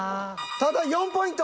ただ４ポイント。